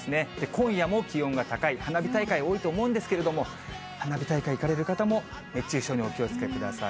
今夜も気温が高い、花火大会、多いと思うんですけれども、花火大会行かれる方も、熱中症にお気をつけください。